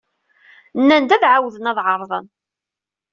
Nnan-d ad ɛawden ad ɛerḍen.